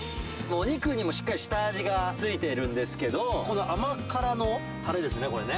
お肉にもしっかり下味がついているんですけど、この甘辛のたれですね、これね。